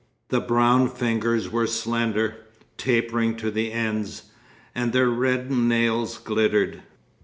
The brown fingers were slender, tapering to the ends, and their reddened nails glittered.